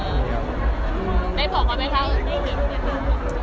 ได้บอกมาไหมครับ